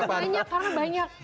banyak karena banyak